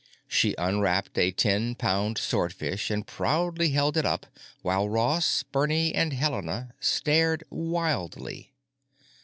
She unwrapped a ten pound swordfish and proudly held it up while Ross, Bernie, and Helena stared wildly.